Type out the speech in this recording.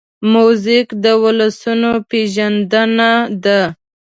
موزیک د ولسونو پېژندنه ده.